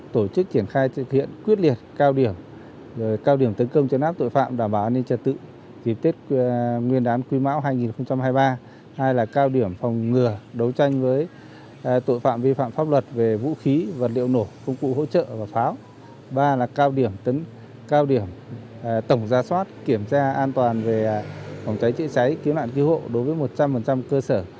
tất cả các bộ phòng thông tin trí trái kiếm loạn cứu hộ đối với một trăm linh cơ sở